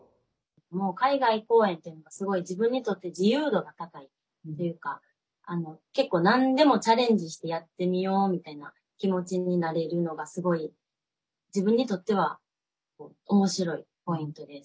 もう海外公演っていうのがすごい自分にとって自由度が高いっていうか結構、なんでもチャレンジしてやってみようみたいな気持ちになれるのがすごい自分にとってはおもしろいポイントです。